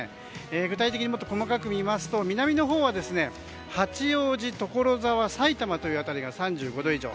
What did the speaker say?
具体的にもっと細かく見ますと、南のほうは八王子、所沢さいたまという辺りが３５度以上。